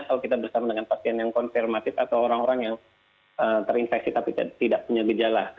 kalau kita bersama dengan pasien yang konfirmatif atau orang orang yang terinfeksi tapi tidak punya gejala